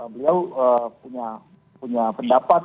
beliau punya pendapat